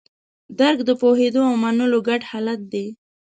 درک د پوهېدو او منلو ګډ حالت دی.